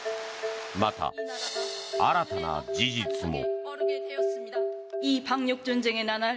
また、新たな事実も。